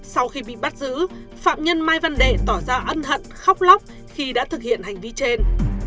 sau khi bị bắt giữ phạm nhân mai văn đệ tỏ ra ân hận khóc lóc khi đã thực hiện hành vi trên